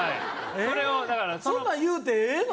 そんなん言うてええの？